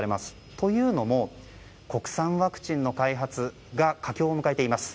というのも国産ワクチンの開発が佳境を迎えています。